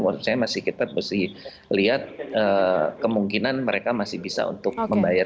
maksud saya kita masih harus lihat kemungkinan mereka masih bisa untuk membayar